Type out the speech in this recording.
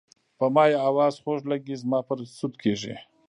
په ما یې اواز خوږ لګي زما پرې سود کیږي.